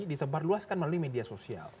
disebarluaskan melalui media sosial